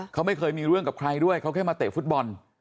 เขาไม่เคยมีเรื่องกับใครด้วยเขาแค่มาเตะฟุตบอล